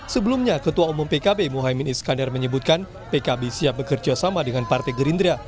sebelumnya ketua umum pkb mohaimin iskandar menyebutkan pkb siap bekerja sama dengan partai gerindra